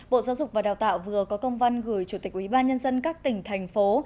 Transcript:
bộ giáo dục và đào tạo vừa có công văn gửi chủ tịch ủy ban nhân dân các tỉnh thành phố